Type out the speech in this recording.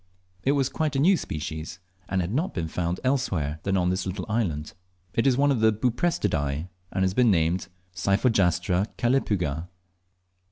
It was quite a new species, and had not been found elsewhere than on this little island. It is one of the Buprestidae, and has been named Cyphogastra calepyga.